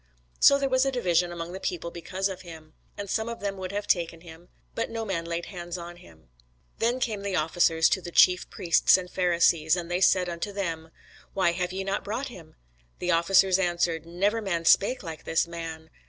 So there was a division among the people because of him. And some of them would have taken him; but no man laid hands on him. Then came the officers to the chief priests and Pharisees; and they said unto them, Why have ye not brought him? The officers answered, Never man spake like this man.